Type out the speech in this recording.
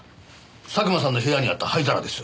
佐久間さんの部屋にあった灰皿です。